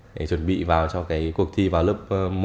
để chuẩn bị vào cho cái cuộc thi vào lớp một